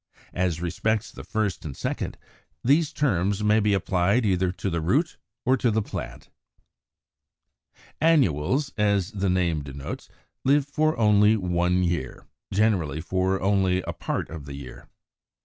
As respects the first and second, these terms may be applied either to the root or to the plant. 84. =Annuals=, as the name denotes, live for only one year, generally for only a part of the year.